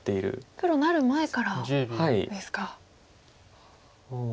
プロなる前からですか。